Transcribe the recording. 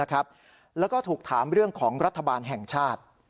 แล้วก็ถูกถามเรื่องของรัฐบาลแห่งชาติ